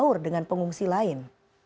atau berada di kamp pengungsi lain